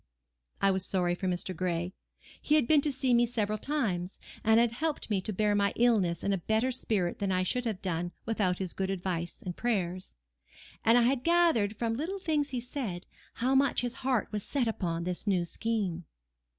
I was sorry for Mr. Gray. He had been to see me several times, and had helped me to bear my illness in a better spirit than I should have done without his good advice and prayers. And I had gathered from little things he said, how much his heart was set upon this new scheme.